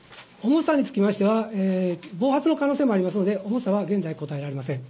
重さにつきましては、暴発の可能性もありますので、重さは現在、答えられません。